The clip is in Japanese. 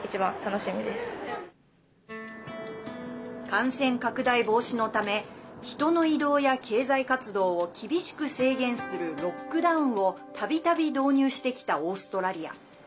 感染拡大防止のため人の移動や経済活動を厳しく制限するロックダウンをたびたび導入してきたオーストラリア。